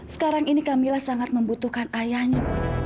sekarang ini kamilah sangat membutuhkan ayahnya